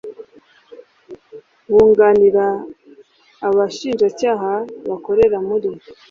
Bunganira abashinjacyaha bakorera muri